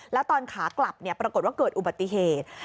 แล้วตอนขากลับปรากฏว่าเกิดอุบัติเหตุ